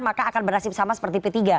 maka akan bernasib sama seperti p tiga